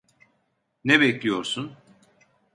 Ne bekliyorsun?